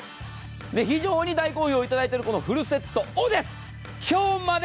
非常にご好評いただいているフルセットを今日まで。